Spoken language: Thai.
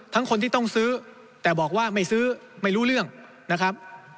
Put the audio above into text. คนที่ต้องซื้อแต่บอกว่าไม่ซื้อไม่รู้เรื่องนะครับ